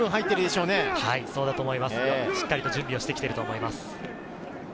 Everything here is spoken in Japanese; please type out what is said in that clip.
しっかり準備していると思います。